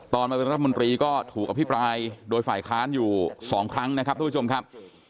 มาเป็นรัฐมนตรีก็ถูกอภิปรายโดยฝ่ายค้านอยู่๒ครั้งนะครับทุกผู้ชมครับ